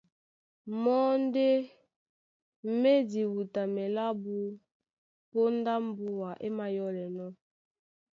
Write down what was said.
Mɔ́ ndé má e diwutamea lábū póndá mbúa é mayɔ́lɛnɔ̄,